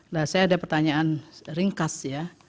nah saya ada pertanyaan ringkas ya